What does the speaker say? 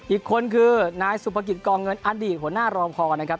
อีกคนคือน้ายสุปกิจกองเงินอตรีหัวหน้าระวังพล